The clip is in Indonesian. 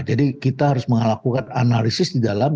jadi kita harus melakukan analisis di dalam